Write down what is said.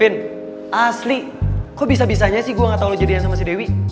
ben asli kok bisa bisanya sih gue gak tau lo jadinya sama si dewi